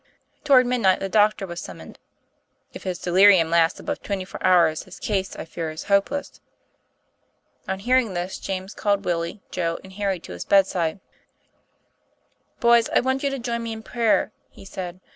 Toward midnight the doctor was sum moned. "If his delirium lasts above twenty four hours, his case, I fear, is hopeless." On hearing this, James called Willie, Joe, and Harrv to his bedside. i " Boys, I want you to join me in prayer," he said.